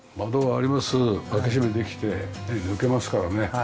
開け閉めできて抜けますからね。